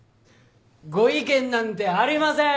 ご意見なんてありませーん。